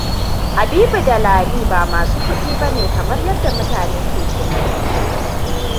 Habibu da Lami ba masu kudi ba ne kamar yadda mutane ke tunani.